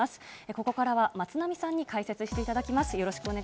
ここからは松並さんに解説していただきます。